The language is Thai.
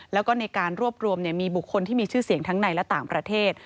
แล้วก็ในการรวบรวมมีบุคคลที่มีชื่อเสียงทั้งในและต่างประเทศ